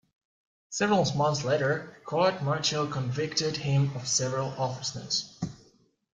Several months later, a court martial convicted him of several offenses.